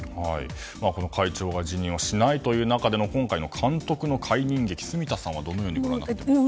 この会長が辞任をしないという中での今回の監督の解任劇を住田さんはどう見ますか？